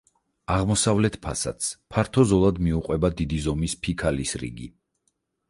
აღმოსავლეთ ფასადს ფართო ზოლად მიუყვება დიდი ზომის ფიქალის რიგი.